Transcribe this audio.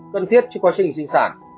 cần thiết trong quá trình sinh sản